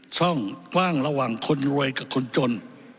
ช่องกว้างระหว่างคนรวยกับคนจน